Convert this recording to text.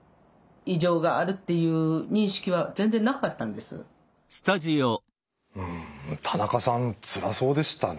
で自分が田中さんつらそうでしたね。